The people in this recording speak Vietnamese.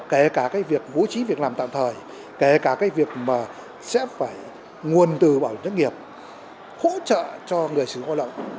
kể cả cái việc bố trí việc làm tạm thời kể cả cái việc mà sẽ phải nguồn từ bảo hiểm thất nghiệp hỗ trợ cho người sử dụng lao động